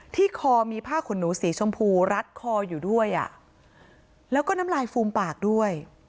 คอมีผ้าขนหนูสีชมพูรัดคออยู่ด้วยอ่ะแล้วก็น้ำลายฟูมปากด้วย